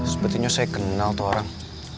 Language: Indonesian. sepertinya saya kenal tualang